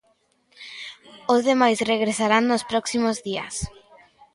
Os demais regresarán nos próximos días.